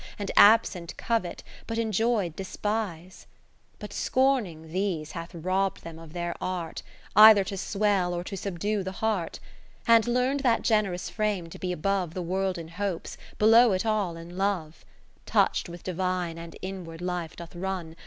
And absent covet, but enjoy'd despise.) On Controversies iii Religio7i But scorning these hath robb'd them of their art, Either to swell or to subdue the Heart ; And learn'd that generous frame to be above The World in hopes, below it all in love : Touch'd with divine and inward life doth run.